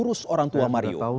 diurus orang tua mario